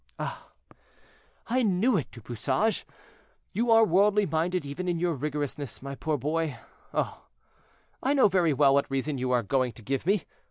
"Ah! I knew it, Du Bouchage. You are worldly minded even in your rigorousness, my poor boy. Oh! I know very well what reason you are going to give me.